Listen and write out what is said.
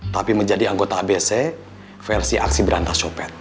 tapi menjadi anggota abc versi aksi berantah sopet